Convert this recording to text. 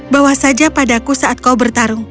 bawa saja padaku saat kau bertarung